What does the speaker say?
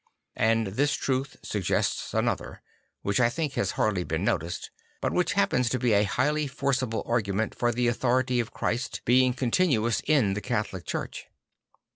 And this truth suggests another, which I think has hardly been noticed; but which happens to be a highly forcible argument for the authority of Christ being continuous in the Ca tholic Church.